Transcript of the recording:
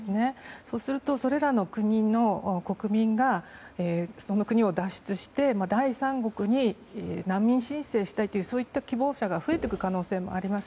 そうするとそれらの国の国民がその国を脱出して第三国に難民申請したいという希望者が増えていく可能性もあります。